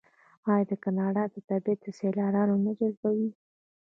آیا د کاناډا طبیعت سیلانیان نه جذبوي؟